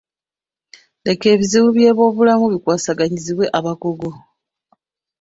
Leka ebizibu by'eby'obulamu bikwasaganyizibwe abakugu.